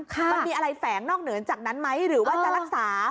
มันมีอะไรแฝงนอกเหนือจากนั้นไหมหรือว่าจะรักษา